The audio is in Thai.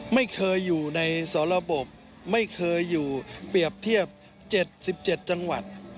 ไม่เคยอยู่ในสระบบไม่เคยอยู่เปรียบเทียบ๗๗จังหวัด